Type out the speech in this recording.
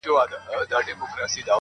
چي زه نه یم په جهان کي به تور تم وي،